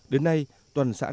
đến nay toàn xã năng khả